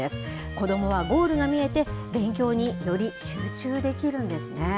子どもはゴールが見えて、勉強に、より集中できるんですね。